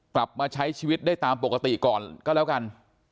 กลับมาใช้ชีวิตได้ตามปกติก่อนก็แล้วกัน